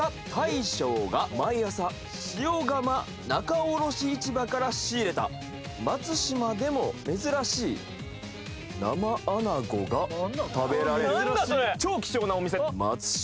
塩釜仲卸市場から仕入れた松島でも珍しい生アナゴが食べられる超貴重なお店うわ！